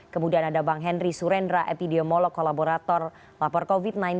kemudian ada bang henry surendra epidemiolog kolaborator lapor covid sembilan belas